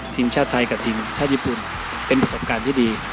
ทีมชาติไทยกับทีมชาติญี่ปุ่นเป็นประสบการณ์ที่ดี